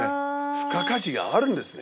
付加価値があるんですね！